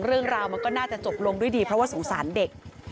เรื่องราวมันก็น่าจะจบลงด้วยดีเพราะว่าสงสารเด็ก